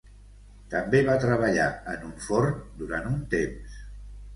També va treballar en un forn durant un temps.